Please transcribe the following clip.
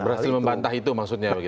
berhasil membantah itu maksudnya